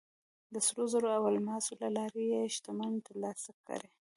د سرو زرو او الماسو له لارې یې شتمنۍ ترلاسه کړې.